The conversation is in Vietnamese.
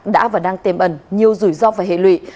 đã và đang tiềm ẩn nhiều rủi ro và hệ lụy